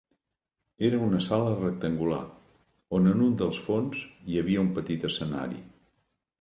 Era una sala rectangular, on en un dels fons hi havia un petit escenari.